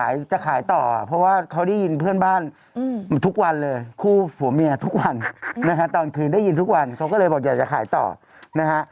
ถูก็ไม่ได้ยินทุกอย่างเลยได้ยินหมดเลยนะ